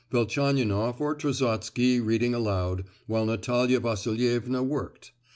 Velchaninoff or Trusotsky reading aloud, while Natalia Vasilievna worked.